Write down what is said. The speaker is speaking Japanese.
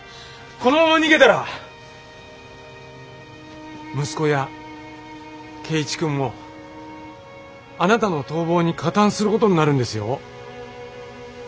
このまま逃げたら息子や恵一くんもあなたの逃亡に加担することになるんですよ。